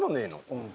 うん。